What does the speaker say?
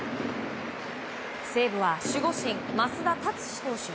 西武は守護神、松田達志投手。